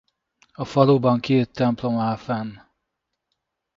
A faluban két templom áll fenn.